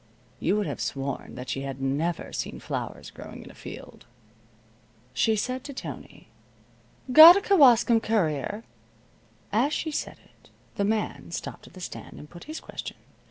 You would have sworn that she had never seen flowers growing in a field. Said she to Tony: "Got a Kewaskum Courier?" As she said it the man stopped at the stand and put his question.